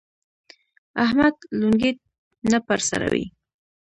احمد لونګۍ نه پر سروي.